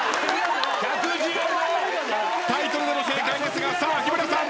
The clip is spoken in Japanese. タイトルでも正解ですがさあ日村さん。